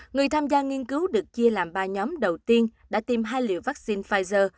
người tham gia nghiên cứu được chia làm ba nhóm đầu tiên đã tìm hai liều vaccine pfizer